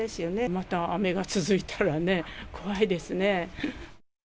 また雨が続いたらね、怖いですね。